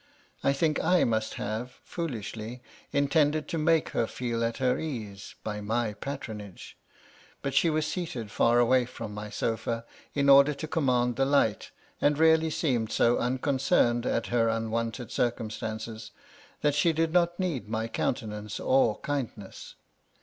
I think I must have (fool ishly) intended to make her feel at her ease, by ray patronage ; but she was seated far away from my sofa, in order to command the light, and really seemed so unconcerned at her unwonted circumstances, that she did not need my countenance or kindness.